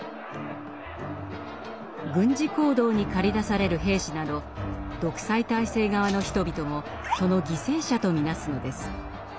軍事行動に駆り出される兵士など独裁体制側の人々もその犠牲者と見なすのです。